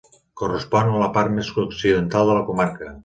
Correspon a la part més occidental de la comarca.